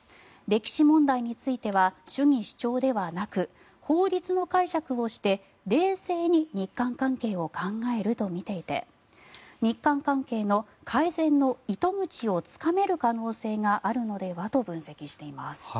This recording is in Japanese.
歴史問題については主義主張ではなく法律の解釈をして、冷静に日韓関係を考えるとみていて日韓関係の改善の糸口をつかめる可能性があるのではと分析しています。